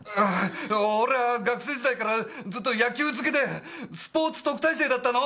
俺は学生時代からずっと野球漬けでスポーツ特待生だったの！